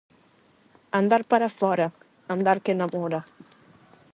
Andar para fóra, andar que namora.